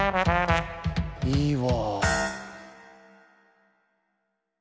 いいわ！